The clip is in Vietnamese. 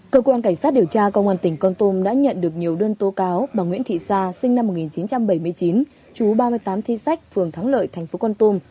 cơ quan cảnh sát điều tra công an tỉnh con tùm đã nhận được nhiều đơn tô cáo bằng nguyễn thị sa sinh năm một nghìn chín trăm bảy mươi chín chú ba mươi tám thi sách phường thắng lợi tp con tùm